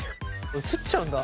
移っちゃうんだ。